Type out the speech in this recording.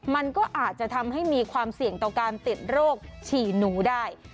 มันก็อาจจะทำให้มีความเสี่ยงต่อการติดโรคฉี่หนูได้